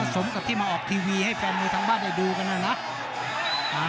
สมกับที่มาออกทีวีให้แฟนมวยทางบ้านได้ดูกันนะนะ